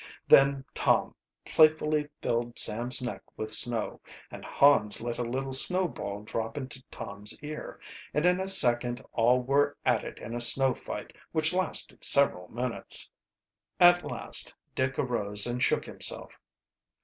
Then Tom playfully filled Sam's neck with snow, and Hans let a little snowball drop into Tom's ear, and in a second all were at it in a snow fight which lasted several minutes. At last Dick arose and shook himself.